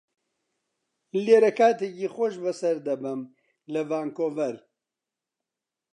لێرە کاتێکی خۆش بەسەر دەبەم لە ڤانکوڤەر.